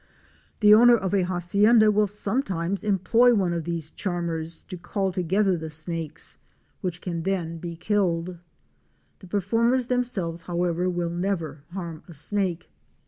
The owner of a hacienda will sometimes employ one of these charmers to call together the snakes, which can A WOMAN'S EXPERIENCES IN VENEZUELA. 83 then be killed. The performers themselves, however, will never harm a snake.